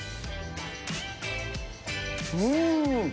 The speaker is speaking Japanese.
うん！